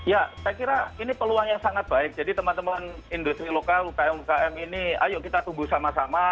ya saya kira ini peluang yang sangat baik jadi teman teman industri lokal ukm ukm ini ayo kita tunggu sama sama